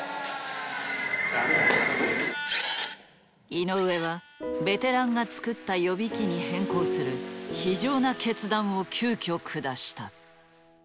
井上はベテランが作った予備機に変更する非情な決断を急きょ下した。